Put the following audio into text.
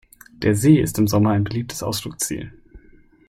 Der See ist im Sommer ein beliebtes Ausflugsziel.